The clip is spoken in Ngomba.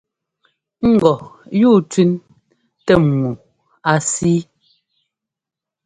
Ŋgɔ yúu tẅín tɛ́m ŋu á síi.